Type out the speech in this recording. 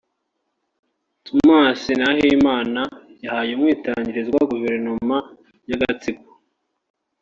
Thomas Nahimana yahaye umwitangirizwa guverinoma y’agatsiko”